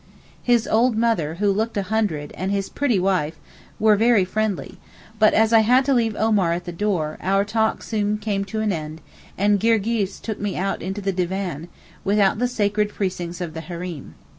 His old mother, who looked a hundred, and his pretty wife, were very friendly; but, as I had to leave Omar at the door, our talk soon came to an end, and Girgis took me out into the divan, without the sacred precincts of the hareem.